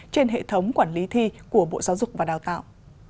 trên hệ thống quản lý thi của bộ giáo dục và đào tạo